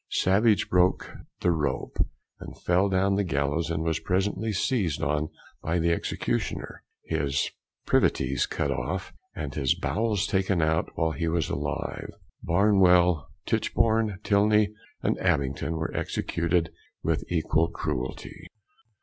Savage broke the rope, and fell down from the gallows, and was presently seized on by the Executioner, his privities cut off, and his bowels taken out while he was alive. Barnwell, Titchborne, Tilney, and Abington were executed with equal cruelty.